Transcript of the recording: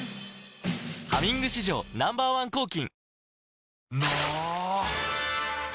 「ハミング」史上 Ｎｏ．１ 抗菌の！ど！